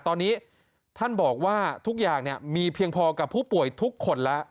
ตอนนี้ท่านบอกว่าทุกอย่างมีเพียงพอกับผู้ป่วยทุกคนแล้ว